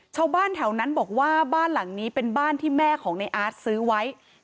ชาวบ้านแถวนั้นบอกว่าบ้านหลังนี้เป็นบ้านที่แม่ของในอาร์ตซื้อไว้